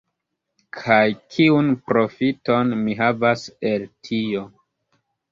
Kaj kiun profiton mi havas el tio?